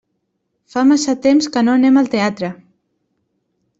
Fa massa temps que no anem al teatre.